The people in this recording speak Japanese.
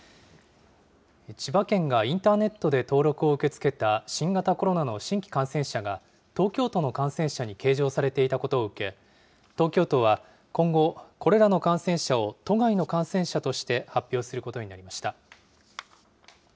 千葉県がインターネットで登録を受け付けた新型コロナの新規感染者が、東京都の感染者に計上されていたことを受け、東京都は、今後、これらの感染者を都外の感染者として発表することになりました。